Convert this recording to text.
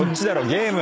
ゲーム！